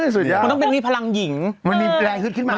สุดยอด